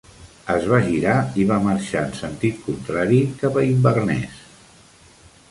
Es va girar i va marxar en sentit contrari, cap a Inverness.